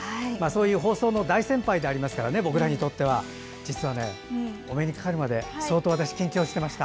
放送の大先輩でありますから僕らにとっては実は、お目にかかるまでずっと研究していました。